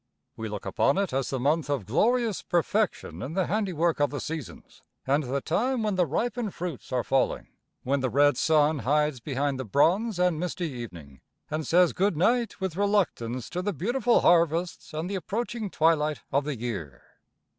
We look upon it as the month of glorious perfection in the handiwork of the seasons and the time when the ripened fruits are falling; when the red sun hides behind the bronze and misty evening, and says good night with reluctance to the beautiful harvests and the approaching twilight of the year.